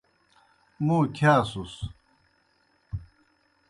موں کِھیاسُس۔